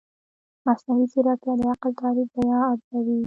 مصنوعي ځیرکتیا د عقل تعریف بیا ارزوي.